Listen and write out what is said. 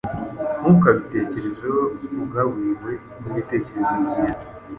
Ntukabitekerezeho, ugaburiwe nibitekerezo byiza